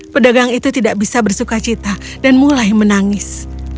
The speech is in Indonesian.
pedagang itu tidak bisa bersukacita dan mulai menangis